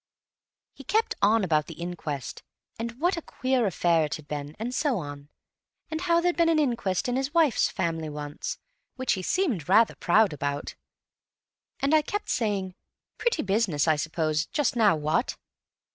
"He kept on about the inquest, and what a queer affair it had been, and so on, and how there'd been an inquest in his wife's family once, which he seemed rather proud about, and I kept saying, 'Pretty busy, I suppose, just now, what?